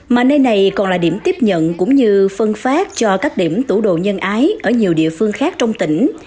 mà nơi này còn là điểm tiếp nhận cũng như phân phát cho các điểm tủ đồ nhân ái ở nhiều địa phương khác trong tỉnh